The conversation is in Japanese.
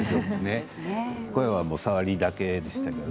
これは、さわりだけでしたけどね